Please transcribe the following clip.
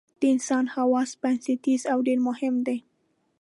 د انسان حواس بنسټیز او ډېر مهم دي.